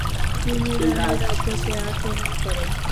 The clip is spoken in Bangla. তিনি রানীর রাজ্যকে আক্রমণ করেন।